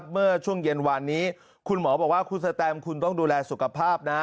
เมื่อช่วงเย็นวานนี้คุณหมอบอกว่าคุณสแตมคุณต้องดูแลสุขภาพนะ